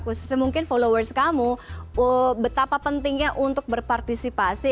khususnya mungkin followers kamu betapa pentingnya untuk berpartisipasi